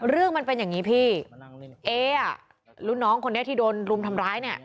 เรื่องมันเป็นอย่างนี้พี่เออ่ะรุ่นน้องคนนี้ที่โดนรุมทำร้ายเนี่ย